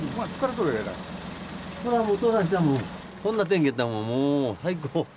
こんな天気やったらもう最高。